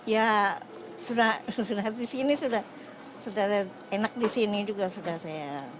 ya sudah disini sudah enak disini juga sudah saya